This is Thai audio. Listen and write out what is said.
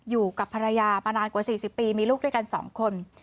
อยู่กับภรรยาประนานกว่าสี่สิบปีมีลูกด้วยกันสองคน